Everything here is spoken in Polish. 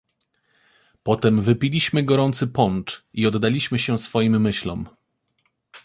"Potem wypiliśmy gorący poncz i oddaliśmy się swoim myślom."